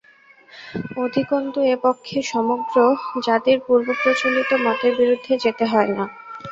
অধিকন্তু এ পক্ষে সমগ্র জাতির পূর্বপ্রচলিত মতের বিরুদ্ধে যেতে হয় না।